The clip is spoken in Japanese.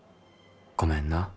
ごめんな」。